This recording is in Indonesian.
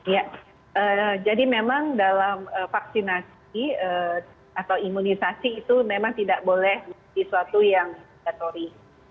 ya jadi memang dalam vaksinasi atau imunisasi itu memang tidak boleh di suatu yang gatori